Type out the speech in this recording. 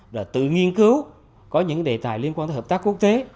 rồi tự nghiên cứu có những đề tài liên quan tới hợp tác quốc tế